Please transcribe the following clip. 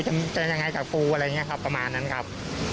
จะยังไงกับกูอะไรอย่างนี้ครับประมาณนั้นครับ